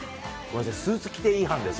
スーツ規定違反です。